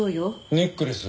ネックレス？